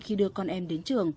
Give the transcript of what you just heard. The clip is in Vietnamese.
khi đưa con em đến trường